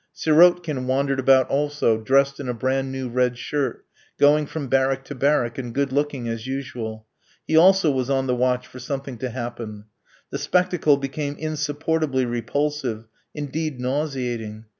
Sirotkin wandered about also, dressed in a brand new red shirt, going from barrack to barrack, and good looking as usual. He also was on the watch for something to happen. The spectacle became insupportably repulsive, indeed nauseating.